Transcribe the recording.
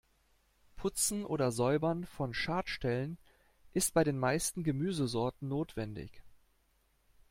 Putzen oder Säubern von Schadstellen ist bei den meisten Gemüsesorten notwendig.